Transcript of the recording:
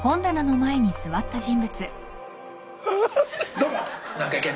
「どうも」